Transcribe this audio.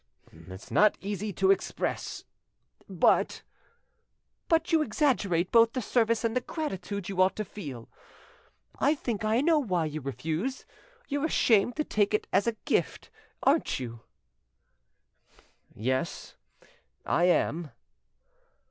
"It's not easy to express, but——" "But you exaggerate both the service and the gratitude you ought to feel. I think I know why you refuse. You're ashamed to take it as a gift, aren't you." "Yes, I am."